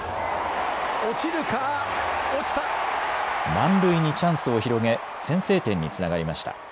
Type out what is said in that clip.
満塁にチャンスを広げ先制点につながりました。